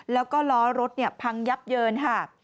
แล้วก็ล้อรถพังยับเยินค่ะ